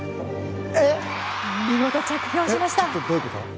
見事、着氷しました！